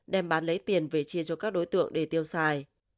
đem bán lấy tiền về chia cho các đối tượng để tiêu xài